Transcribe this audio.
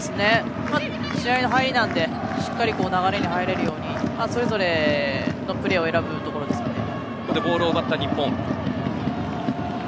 試合の入りなんで、しっかりと流れに入れるようにそれぞれのプレーを選ぶところですよね。